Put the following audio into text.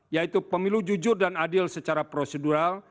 yaitu pemilu jujur dan adil secara prosedural